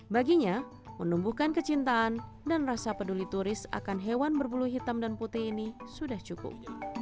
baginya menumbuhkan kecintaan dan rasa peduli turis akan hewan berbulu hitam dan putih ini sudah cukup